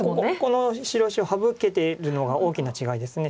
この白石を省けてるのが大きな違いです。